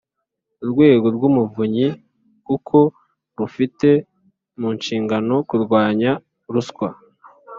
urwego rw'umuvunyi kuko rufite mu nshingano kurwanya ruswa